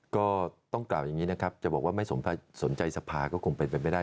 ก็ต้องกล่าวอย่างนี้นะครับจะบอกว่าไม่สนใจสภาก็คงเป็นไปไม่ได้